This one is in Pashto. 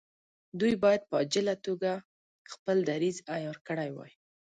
دوی باید په عاجله توګه خپل دریځ عیار کړی وای.